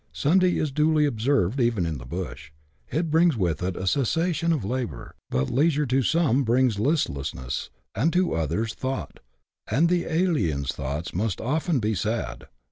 Sunday is duly observed, even in the bush. It brings with it a cessation of labour, but leisure to some brings Hstlessness, and to others thought, and the alien's thoughts must often be sad.